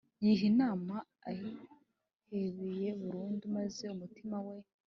yiha imana ayihebeye burundu, maze umutima we